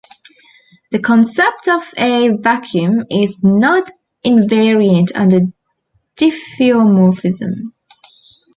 The concept of a vacuum is not invariant under diffeomorphisms.